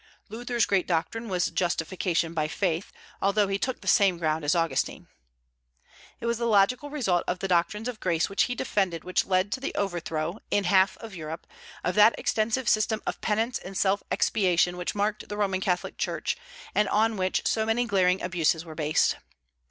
Luther's great doctrine was Justification by Faith, although he took the same ground as Augustine. It was the logical result of the doctrines of Grace which he defended which led to the overthrow, in half of Europe, of that extensive system of penance and self expiation which marked the Roman Catholic Church, and on which so many glaring abuses were based.